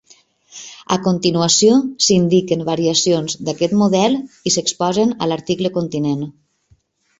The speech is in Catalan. A continuació s'indiquen variacions d'aquest model i s'exposen a l'article Continent.